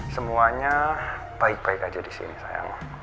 semuanya baik baik aja disini sayang